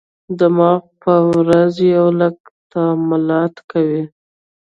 دماغ په ورځ یو لک تعاملات کوي.